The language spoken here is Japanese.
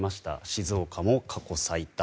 静岡も過去最多。